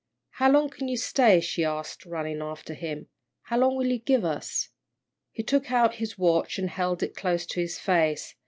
"How long can you stay?" she asked, running after him. "How long will you give us?" He took out his watch, and held it close to his face.